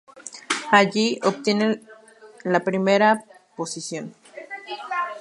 Allí obtiene la primera posición.